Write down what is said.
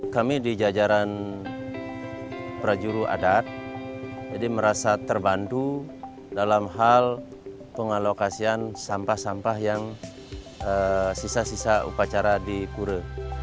kami di jajaran prajuri adat jadi merasa terbantu dalam hal pengalokasian sampah sampah yang sisa sisa upacara di kure